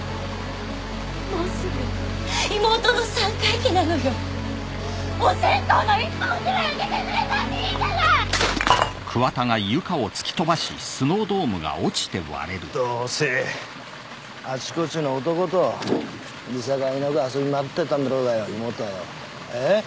もうすぐ妹の３回忌なのよお線香の１本ぐらいあげてくれたっていいどうせあちこちの男と見境なく遊び回ってたんだろうが妹はよえっ？